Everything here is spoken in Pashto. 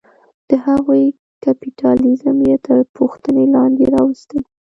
د هغوی کیپیټالیزم یې تر پوښتنې لاندې راوستلې.